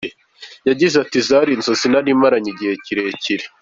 Yagize ati “Zari inzozi narimaranye igihe kirekire.